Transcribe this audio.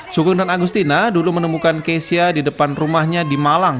sukun dan agustina dulu menemukan keisya di depan rumahnya di malang